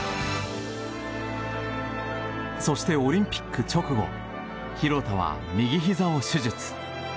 そしてオリンピック直後廣田は右ひざを手術。